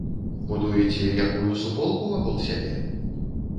Будуеце якую суполку вакол сябе?